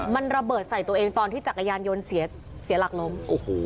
มันระเบิดใส่ตัวเองตอนที่จักรยานยนต์เสียหลักล้ม